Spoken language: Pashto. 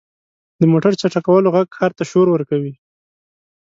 • د موټر چټکولو ږغ ښار ته شور ورکوي.